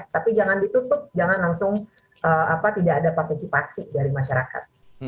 tapi jangan ditutup jangan langsung tidak ada partisipasi dari masyarakat